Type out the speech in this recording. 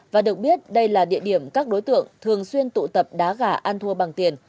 và được biết đây là địa điểm các đối tượng thường xuyên tụ tập đá gà ăn thua bằng tiền